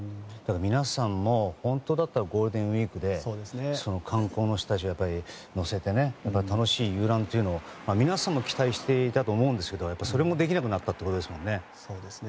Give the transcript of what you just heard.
皆さんも本当だったらゴールデンウィークで観光の人たちを乗せて楽しい遊覧というのを皆さんも期待していたと思うんですけどそれもできなくなったということですもんね。